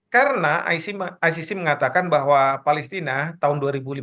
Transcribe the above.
karena icc mengatakan bahwa palestina tahun dua ribu lima belas